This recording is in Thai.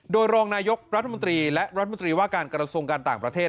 โดยรองนายกรัฐมนตรีและรัฐมนตรีว่าการกระทรวงการต่างประเทศ